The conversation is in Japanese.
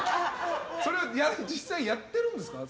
実際やってるんですか？